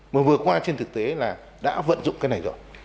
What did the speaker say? mà vừa qua trên thực tế là đã vận dụng cái này rồi